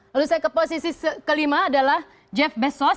lalu saya ke posisi kelima adalah jeff bezos